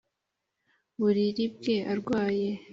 buriri bwe arwaye